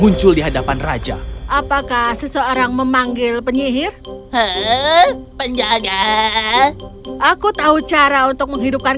muncul di hadapan raja apakah seseorang memanggil penyihir penjaga aku tahu cara untuk menghidupkan